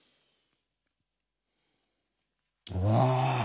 うわ！